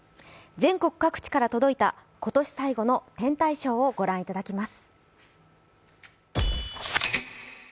全国各地から届いた今年最後の天体ショーをご覧いただきます。